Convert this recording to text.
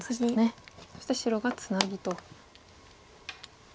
そして白がツナギと。